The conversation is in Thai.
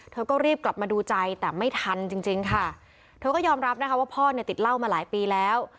เธอก็รีบกลับมาดูใจแต่ไม่ทันจริงจริงค่ะเธอก็ยอมรับนะคะว่าพ่อเนี่ยติดเหล้ามาหลายปีแล้ว